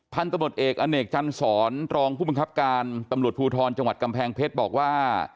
ตำรวจเอกอเนกจันสอนรองผู้บังคับการตำรวจภูทรจังหวัดกำแพงเพชรบอกว่า